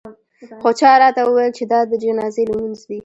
خو چا راته وویل چې دا د جنازې لمونځ دی.